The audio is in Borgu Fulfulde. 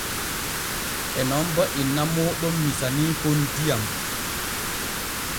En non bo inna mooɗon misaniikon diyam.